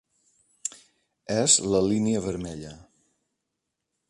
És la línia vermella.